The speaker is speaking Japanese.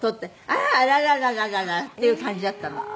あららら！っていう感じだったの。